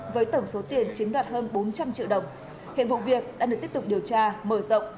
với tổng số tiền chiếm đoạt hơn bốn trăm linh triệu đồng hiện vụ việc đang được tiếp tục điều tra mở rộng